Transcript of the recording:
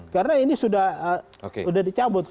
karena ini sudah dicabut